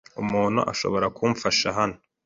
Umuntu ashobora kumfasha hano?